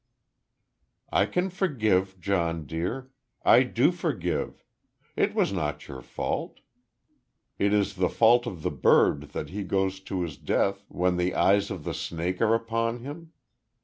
"I can forgive, John, dear. I do forgive. It was not your fault. Is it the fault of the bird that he goes to his death when the eyes of the snake are upon him?